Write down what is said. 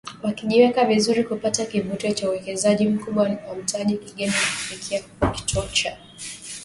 wakijiweka vizuri kupata kivutio cha uwekezaji mkubwa wa mtaji wa kigeni na kufikia kuwa kituo cha fedha cha kieneo